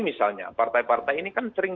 misalnya partai partai ini kan sering